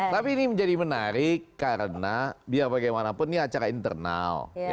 tapi ini menjadi menarik karena biar bagaimanapun ini acara internal